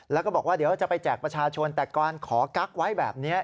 แล้วก็บอกว่าเดี๋ยวจะไปแจกประชาชนแต่ก่อนขอกั๊กไว้แบบนี้